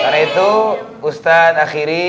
karena itu ustadz akhiri